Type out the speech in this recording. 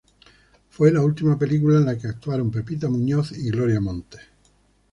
Fue la última película en la que actuaron Pepita Muñoz y Gloria Montes.